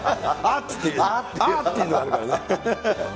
あっていうのがあるからね。